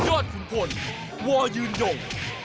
ยอดขุนพลว่ายืนยง